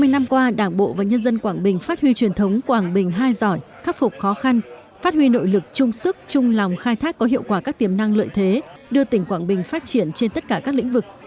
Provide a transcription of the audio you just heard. sáu mươi năm qua đảng bộ và nhân dân quảng bình phát huy truyền thống quảng bình hai giỏi khắc phục khó khăn phát huy nội lực trung sức trung lòng khai thác có hiệu quả các tiềm năng lợi thế đưa tỉnh quảng bình phát triển trên tất cả các lĩnh vực